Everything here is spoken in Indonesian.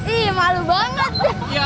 ih malu banget